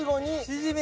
シジミ！